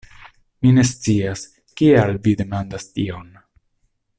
Mi ne scias, kial vi demandas tion?